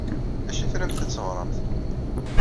D acu ay tramt ad teɣremt?